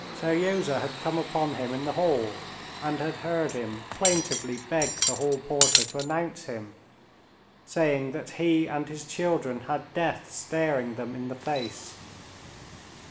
Seryozha had come upon him in the hall, and had heard him plaintively beg the hall porter to announce him, saying that he and his children had death staring them in the face.